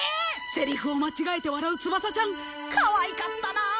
セリフを間違えて笑うつばさちゃんかわいかったなあ！